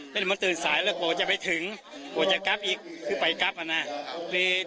ที่นี่ว่ามันตื่นสายแล้วก็จะไปถึงกับอีกคือไปกับอันนั้น